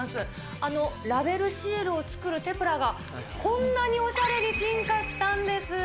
あのラベルシールを作るテプラがこんなにおしゃれに進化したんです。